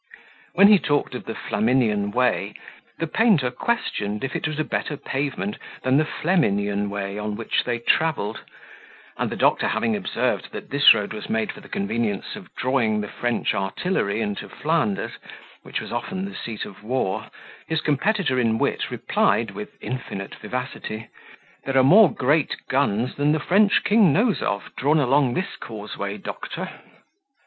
When he talked of the Flaminian Way, the painter questioned if it was a better pavement than the Fleminian Way on which they travelled: and the doctor having observed, that this road was made for the convenience of drawing the French artillery into Flanders, which was often the seat of war, his competitor in wit replied, with infinite vivacity, "There are more great guns than the French king knows of drawn along this causeway, doctor."